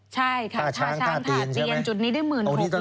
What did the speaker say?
ใช่ค่ะค่าชามถ่าเตียนจุดนี้ได้๑๖๐๐๐